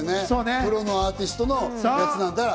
プロのアーティストのものなんだから。